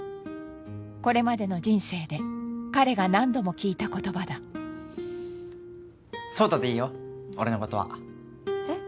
これまでの人生で彼が何度も聞いた言葉だ奏汰でいいよ俺のことはえっ？